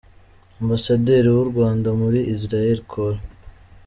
Ambasaderi w’u Rwanda muri Israel, Col.